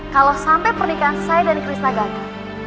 kalau sampai pernikahan saya dan kris nagata